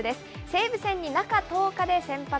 西武戦に中１０日で先発。